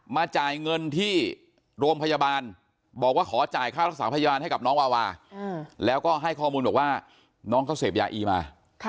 จ่ายเงินที่โรงพยาบาลบอกว่าขอจ่ายค่ารักษาพยาบาลให้กับน้องวาวาแล้วก็ให้ข้อมูลบอกว่าน้องเขาเสพยาอีมา